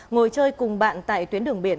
ngồi chơi cùng bạn tại tuyến đường biển